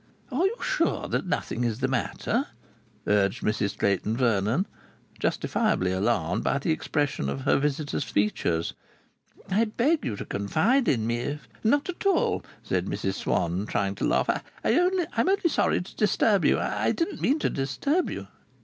"Are you sure that nothing is the matter?" urged Mrs Clayton Vernon, justifiably alarmed by the expression of her visitor's features. "I beg you to confide in me if " "Not at all," said Mrs Swann, trying to laugh. "I'm only sorry to disturb you. I didn't mean to disturb you."